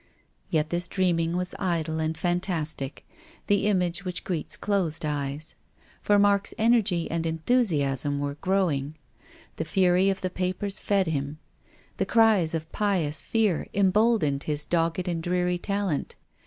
Yet this dreaming was idle and fantastic, the image which greets closed eyes. For Mark's energy "WILLIAM FOSTER. 169 and enthusiasm were growing. The fury of the papers fed him. The cries of pious fear embold ened his dogged and dreary talent.